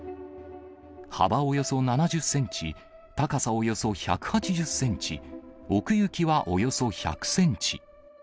幅およそ７０センチ、高さおよそ１８０センチ、奥行きはおよそ１００センチ。